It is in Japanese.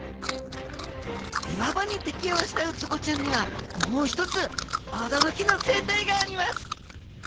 岩場に適応したウツボちゃんにはもう一つ驚きの生態があります